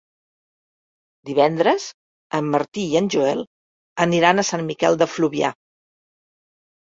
Divendres en Martí i en Joel aniran a Sant Miquel de Fluvià.